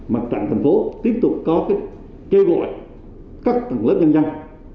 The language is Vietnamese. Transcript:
mặt trạng thành phố tiếp tục có kêu gọi các lớp nhân dân